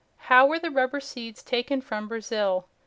How were the rubber seeds taken from Brazil?